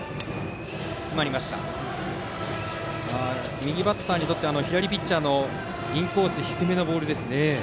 右バッターに対しては左ピッチャーのインコース低めのボールですね。